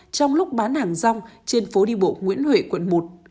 trong lúc bán hàng rong trên phố đi bộ nguyễn huệ quận một